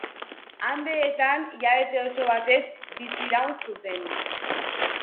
Andeetan hilabete oso batez bizi-iraun zuten.